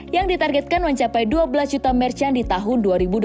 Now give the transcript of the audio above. yang ditargetkan mencapai dua belas juta merchant di tahun dua ribu dua puluh dua